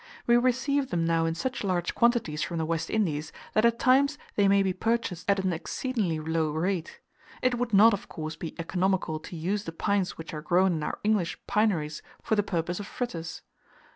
We receive them now in such large quantities from the West Indies, that at times they may be purchased at an exceedingly low rate: it would not, of course, be economical to use the pines which are grown in our English pineries for the purposes of fritters.